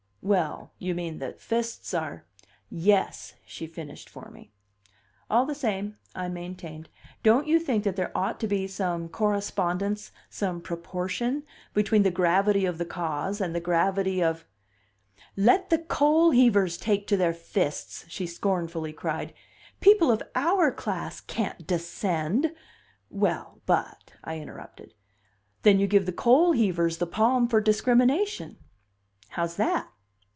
"Well, you mean that fists are " "Yes," she finished for me. "All the same," I maintained, "don't you think that there ought to be some correspondence, some proportion, between the gravity of the cause and the gravity of " "Let the coal heavers take to their fists!" she scornfully cried. "People of our class can't descend " "Well, but," I interrupted, "then you give the coal heavers the palm for discrimination." "How's that?"